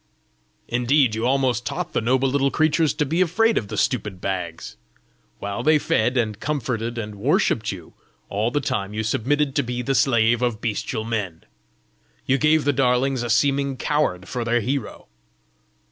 "Indeed you almost taught the noble little creatures to be afraid of the stupid Bags! While they fed and comforted and worshipped you, all the time you submitted to be the slave of bestial men! You gave the darlings a seeming coward for their hero!